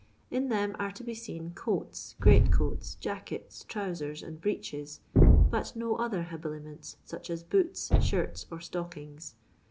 In them are to be leen coats, great coats, jackets, tronsers, and breeches, but no other habiliments, such as boots, shirts, or stockings.